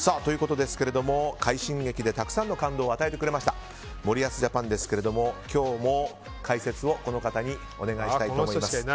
快進撃で、たくさんの感動を与えてくれました森保ジャパンですけども今日も解説をこの方にお願いしたいと思います。